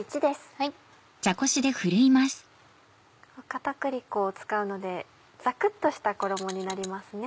片栗粉を使うのでザクっとした衣になりますね。